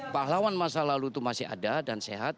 pahlawan masa lalu itu masih ada dan sehat